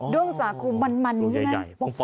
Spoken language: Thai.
้วงสาคูมันใช่ไหม